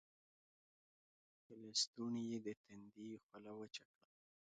پۀ لستوڼي يې د تندي خوله وچه کړه